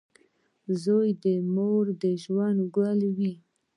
• زوی د مور د ژوند ګل وي.